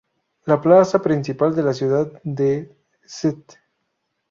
La plaza principal de la ciudad de St.